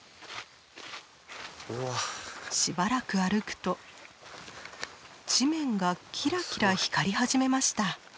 しばらく歩くと地面がキラキラ光り始めました。